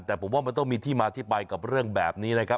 แต่ผมว่ามันต้องมีที่มาที่ไปกับเรื่องแบบนี้นะครับ